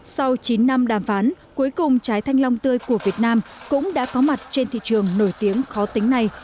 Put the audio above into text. sau chín năm đàm phán cuối cùng trái thanh long tươi của việt nam cũng đã có mặt trên thị trường nổi tiếng khó tính này